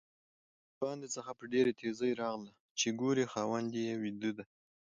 ښځه د باندې څخه په ډېره تیزۍ راغله چې ګوري خاوند یې ويده ده؛